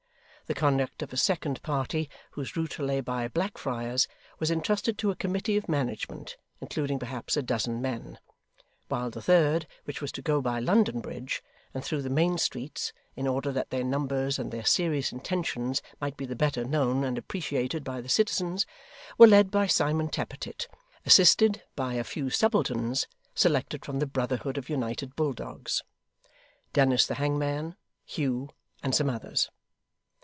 The conduct of a second party, whose route lay by Blackfriars, was entrusted to a committee of management, including perhaps a dozen men: while the third, which was to go by London Bridge, and through the main streets, in order that their numbers and their serious intentions might be the better known and appreciated by the citizens, were led by Simon Tappertit (assisted by a few subalterns, selected from the Brotherhood of United Bulldogs), Dennis the hangman, Hugh, and some others.